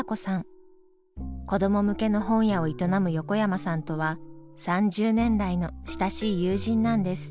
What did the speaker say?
子ども向けの本屋を営む横山さんとは３０年来の親しい友人なんです。